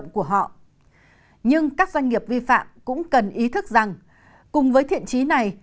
của họ nhưng các doanh nghiệp vi phạm cũng cần ý thức rằng cùng với thiện chí này